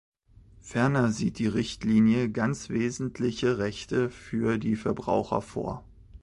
Ferner sieht die Richtlinie ganz wesentliche Rechte für die Verbraucher vor.